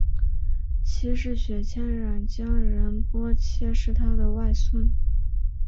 七世雪谦冉江仁波切是他的外孙。